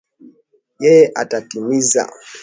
Yeye atatimiza.